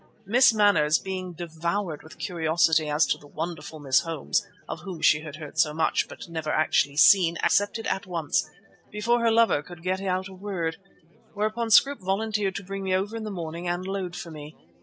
Miss Manners being devoured with curiosity as to the wonderful Miss Holmes, of whom she had heard so much but never actually seen, accepted at once, before her lover could get out a word, whereon Scroope volunteered to bring me over in the morning and load for me.